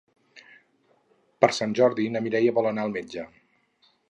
Per Sant Jordi na Mireia vol anar al metge.